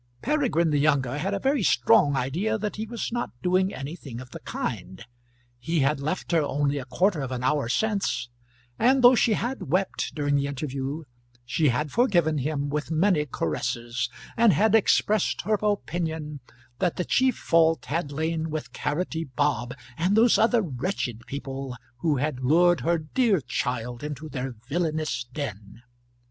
Peregrine the younger had a very strong idea that he was not doing anything of the kind. He had left her only a quarter of an hour since; and though she had wept during the interview, she had forgiven him with many caresses, and had expressed her opinion that the chief fault had lain with Carroty Bob and those other wretched people who had lured her dear child into their villainous den.